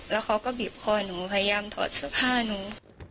แล้วเขาก็บีบคอหนูพยายามถอดเสื้อผ้าหนู